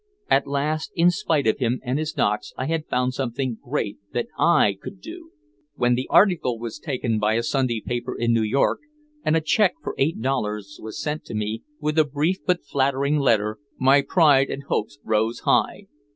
At last in spite of him and his docks I had found something great that I could do! When the article was taken by a Sunday paper in New York and a check for eight dollars was sent me with a brief but flattering letter, my pride and hopes rose high.